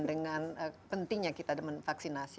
dengan pentingnya kita vaksinasi